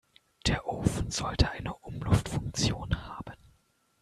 Der Ofen sollte eine Umluftfunktion haben.